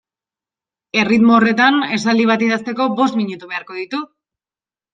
Erritmo horretan esaldi bat idazteko bost minutu beharko ditu.